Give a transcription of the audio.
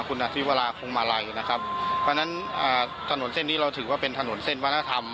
คุณอธิวราคงมาลัยนะครับเพราะฉะนั้นถนนเส้นนี้เราถือว่าเป็นถนนเส้นวัฒนธรรม